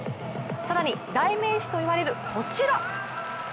更に代名詞といわれる、こちら。